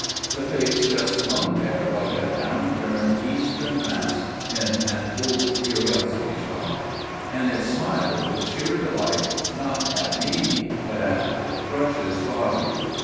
The face just hung there like a down turned Eastern mask in an old curiosity shop. And it smiled with sheer delight, not at me, but at the thrush's body.